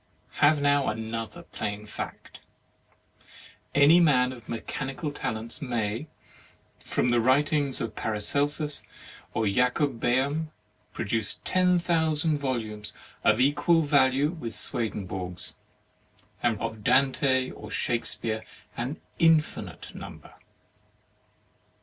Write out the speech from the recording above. "Have now another plain fact: any man of mechanical talents may from the writings of Paracelsus or Jacob Behmen produce ten thousand volumes of equal value with Swedenborg's, and from those of Dante or Shakespeare an infinite number.